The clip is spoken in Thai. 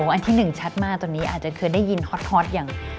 อันที่๑ชัดมากตอนนี้อาจจะเคยได้ยินฮอตอย่าง